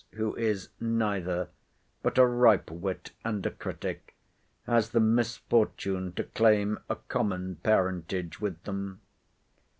who is neither, but a ripe wit and a critic, has the misfortune to claim a common parentage with them?